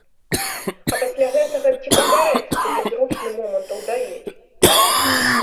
А пасля гэтага ці падбярэцца табе зручны момант аўдавець?